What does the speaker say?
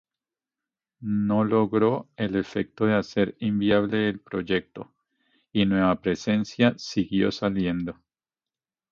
No logró el efecto de hacer inviable el proyecto, y Nueva Presencia siguió saliendo.